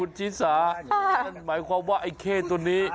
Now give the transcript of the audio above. คุณชิสาหมายความว่าไอ้เทศตัวนี้